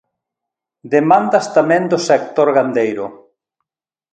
Demandas tamén do sector gandeiro.